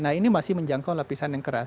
nah ini masih menjangkau lapisan yang keras